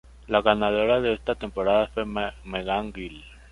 La ganadora de esta temporada fue Meghan Gill.